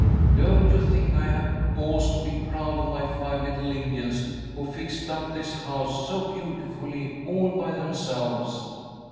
Don't you think I have cause to be proud of my five little Indians, who fixed up this house so beautifully all by themselves?"